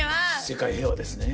世界平和ですね。